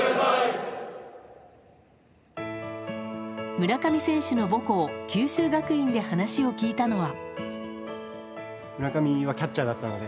村上選手の母校九州学院で話を聞いたのは。